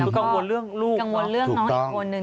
กังวลเรื่องลูกเหรอถูกต้องแล้วก็กังวลเรื่องน้องอีกคนหนึ่ง